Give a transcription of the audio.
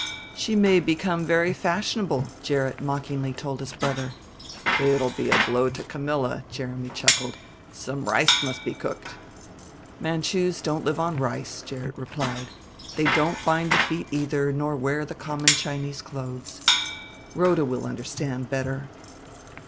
"She may become very fashionable," Gerrit mockingly told his brother. "It'll be a blow to Camilla," Jeremy chuckled. "Some rice must be cooked." "Manchus don't live on rice," Gerrit replied. "They don't bind the feet either nor wear the common Chinese clothes. Rhoda will understand better."